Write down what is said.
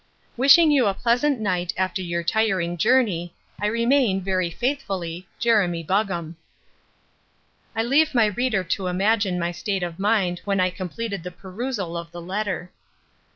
"Wishing you a pleasant night after your tiring journey, "I remain, "Very faithfully, "Jeremy Buggam." I leave my reader to imagine my state of mind when I completed the perusal of the letter.